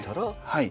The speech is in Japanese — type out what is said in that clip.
はい。